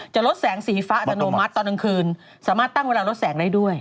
จะลดแสงสีฟ้าอัตโนมัติตอนกลางคืนสามารถตั้งเวลาลดแสงได้ด้วย